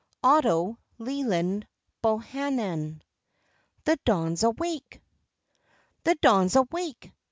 Otto Leland Bohanan THE DAWN'S AWAKE! The Dawn's awake!